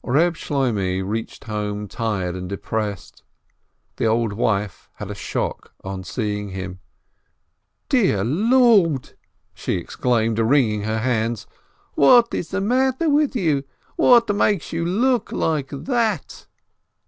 Reb Shloimeh reached home tired and depressed. The old wife had a shock on seeing him. "Dear Lord!" she exclaimed, wringing her hands. "What is the matter with you? What makes you look like that